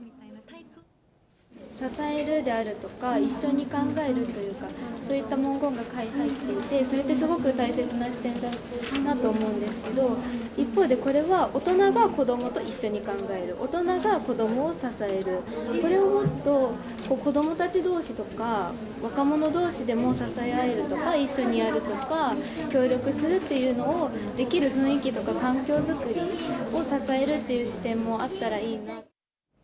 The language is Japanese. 支えるであるとか、一緒に考えるというか、そういった文言が書いていて、それってすごく大切な視点だなと思うんですけど、一方で、これは大人がこどもと一緒に考える、大人がこどもを支える、これをもっと、こどもたちどうしとか、若者どうしでも支え合えるとか、一緒にやるとか、協力するっていうのを、できる雰囲気とか、環境づくりを支えるっていう視点もあったらいいな。